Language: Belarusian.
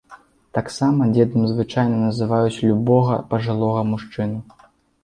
Таксама дзедам звычайна называюць любога пажылога мужчыну.